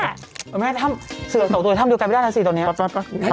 ไม่เฉยเหนื่อยของตัวดิลกันไม่ได้นะสิตอนนี้